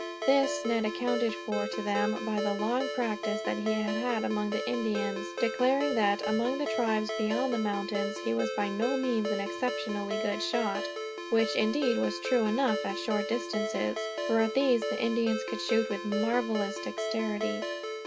This Ned accounted for, to them, by the long practice that he had had among the Indians; declaring that, among the tribes beyond the mountains, he was by no means an exceptionally good shot which, indeed, was true enough at short distances, for at these the Indians could shoot with marvellous dexterity.